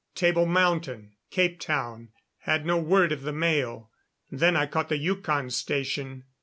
Table Mountain, Capetown, had no word of the mail. Then I caught the Yukon Station.